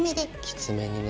きつめにね。